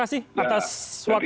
isi kata misi semuanya